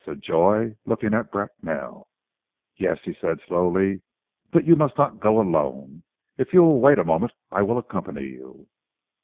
said Joy, looking at Bracknell. "Yes," he said slowly, "but you must not go alone. If you will wait a moment I will accompany you."